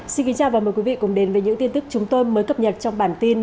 xin kính chào và mời quý vị cùng đến với những tin tức chúng tôi mới cập nhật trong bản tin